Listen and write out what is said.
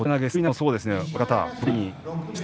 そうですね。